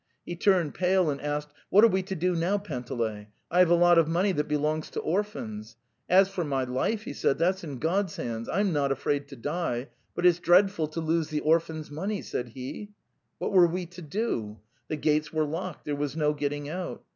He turned pale and asked: 'What are we to do now, Panteley? I have a lot of money that belongs to orphans. As for my life,' he said, ' that's in God's hands. I am not afraid to die, but it's dreadful to lose the orphans' money,' said he. ... What were we to do? Phe gates were locked; there was no getting out.